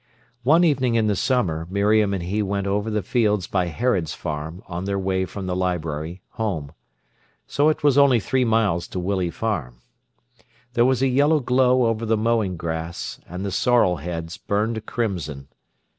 One evening in the summer Miriam and he went over the fields by Herod's Farm on their way from the library home. So it was only three miles to Willey Farm. There was a yellow glow over the mowing grass, and the sorrel heads burned crimson.